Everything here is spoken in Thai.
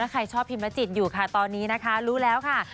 ใครชอบพิมและจิตอยู่ค่ะตอนนี้นะคะรู้แล้วค่ะ